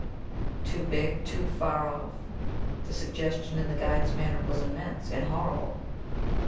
"Too big too far off?" The suggestion in the guide's manner was immense and horrible.